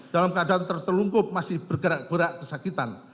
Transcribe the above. dalam keadaan tertelungkup masih bergerak gerak kesakitan